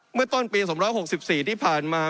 เมื่อต้นปี๒๖๔ที่ผ่านมา